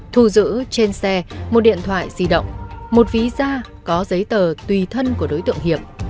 thu giữ trên xe một điện thoại di động một ví da có giấy tờ tùy thân của đối tượng hiệp